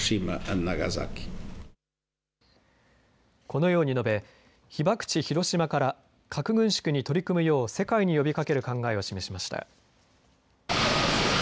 このように述べ、被爆地広島から核軍縮に取り組むよう世界に呼びかける考えを示しました。